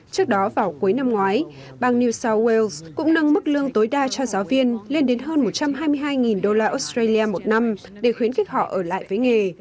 trước đó vào cuối năm ngoái bang new south wales cũng nâng mức lương tối đa cho giáo viên lên đến hơn một trăm hai mươi hai đô la australia một năm để khuyến khích họ ở lại với nghề